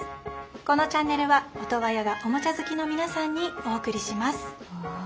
このチャンネルはオトワヤがおもちゃ好きの皆さんにお送りします。